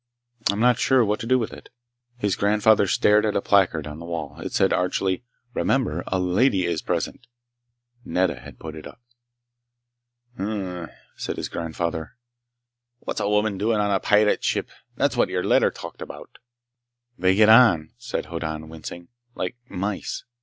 I'm not sure what to do with it." His grandfather stared at a placard on the wall. It said archly: "Remember! A Lady is Present!" Nedda had put it up. "Hm m m!" said his grandfather. "What's a woman doing on a pirate ship? That's what your letter talked about!" "They get on," said Hoddan, wincing, "like mice.